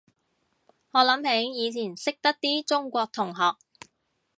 我諗起以前識得啲中國同學